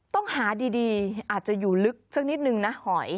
ต้องหาดีอาจจะอยู่ลึกสักนิดนึงนะหอย